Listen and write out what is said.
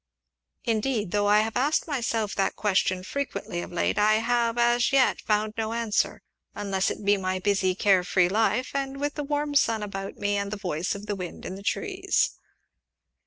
"Indeed, though I have asked myself that question frequently of late, I have as yet found no answer, unless it be my busy, care free life, with the warm sun about me and the voice of the wind in the trees."